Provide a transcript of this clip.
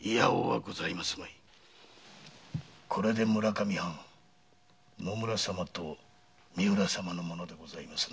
これで村上藩は野村様と三浦様のものでございますな。